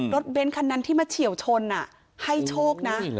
เบ้นคันนั้นที่มาเฉียวชนให้โชคนะ